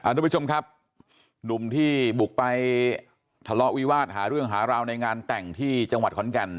ทุกผู้ชมครับหนุ่มที่บุกไปทะเลาะวิวาสหาเรื่องหาราวในงานแต่งที่จังหวัดขอนแก่น